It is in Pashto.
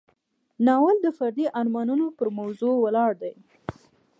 ناول د فردي ارمانونو پر موضوع ولاړ دی.